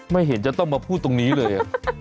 ไม่เห็นจะต้องมาพูดตรงนี้เลย